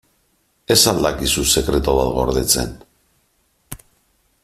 Ez al dakizu sekretu bat gordetzen?